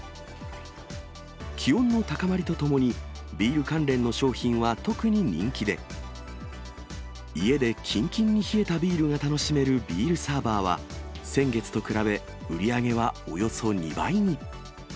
気温の高まりとともに、ビール関連の商品は特に人気で、家でキンキンに冷えたビールを楽しめるビールサーバーは、先月と比べ、売り上げはおよそ２倍に。